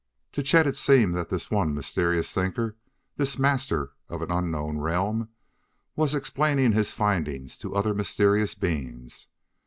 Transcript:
'"To Chet it seemed that this one mysterious thinker, this "Master" of an unknown realm, was explaining his findings to other mysterious beings.